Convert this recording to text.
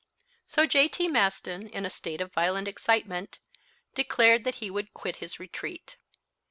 So J.T. Maston, in a state of violent excitement, declared that he would quit his retreat.